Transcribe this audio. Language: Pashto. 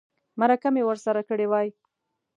مرکه مې ورسره کړې وای.